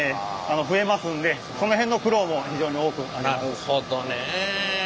なるほどね。